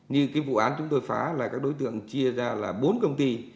như cái vụ án chúng tôi phá là các đối tượng chia ra là bốn công ty